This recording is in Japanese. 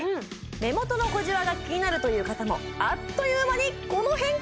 目元の小じわが気になるという方もあっという間にこの変化！